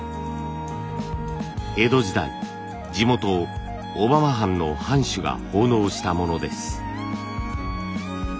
江戸時代地元小浜藩の藩主が奉納したものです。